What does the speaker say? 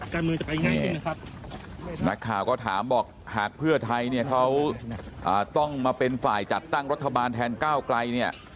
การเมืองจะเป็นยังไงนักข่าวก็ถามบอกหากเพื่อไทยเนี่ยเขาต้องมาเป็นฝ่ายจัดตั้งรัฐบาลแทนก้าวไกลเนี่ย